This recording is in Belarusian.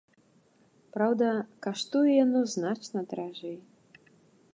Праўда, каштуе яно значна даражэй.